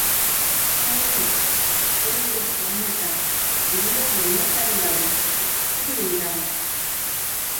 உன் மனைவி? அப்படி ஒருத்தி வரமாட்டாள் நிரந்தர பிரம்மச்சரியாவேன் இது உறுதி என்றான்.